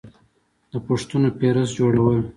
د پوښتنو فهرست جوړول